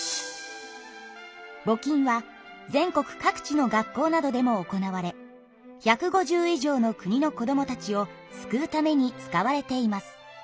ぼ金は全国各地の学校などでも行われ１５０以上の国の子どもたちを救うために使われています。